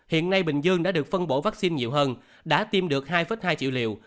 hiện nay bình dương đã được phân bổ vaccine nhiều hơn đã tiêm được hai hai triệu liều